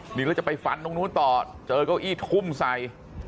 หนีแล้วจะไปฟันตรงนู้นต่อเจอเก้าอี้ทุ่มใส่